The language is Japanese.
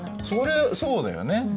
それそうだよね。